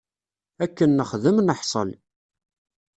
Akken nexdem, neḥṣel.